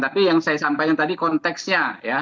tapi yang saya sampaikan tadi konteksnya ya